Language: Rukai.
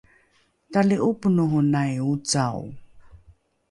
tali’oponohonai ocao